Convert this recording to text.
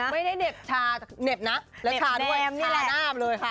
ไม่ได้เหน็บชานะแน๊บแรงนะคะนี้แหละและชาได้ชาน่าปเลยค่ะ